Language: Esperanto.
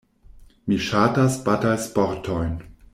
Mi ŝatas batalsportojn.